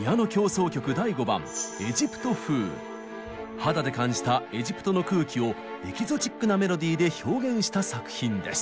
肌で感じたエジプトの空気をエキゾチックなメロディーで表現した作品です。